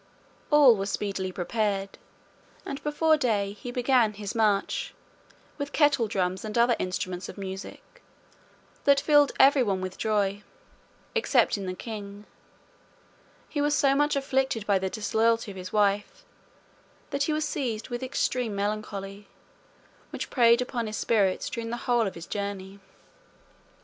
All was speedily prepared, and before day he began his march, with kettle drums and other instruments of music, that filled everyone with joy, excepting the king; he was so much afflicted by the disloyalty of his wife, that he was seized with extreme melancholy, which preyed upon his spirits during the whole of his journey.